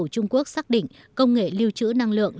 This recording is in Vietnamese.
trung quốc xác định công nghệ lưu trữ năng lượng